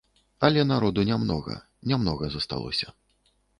Але народу нямнога, нямнога засталося.